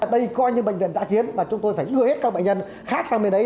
ở đây coi như bệnh viện giã chiến và chúng tôi phải đưa hết các bệnh nhân khác sang bên đấy